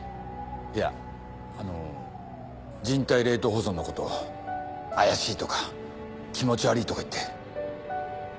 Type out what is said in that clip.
いやあの人体冷凍保存のこと怪しいとか気持ち悪いとか言って。